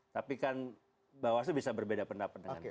tapi kan bawah aslu bisa berbeda pendapat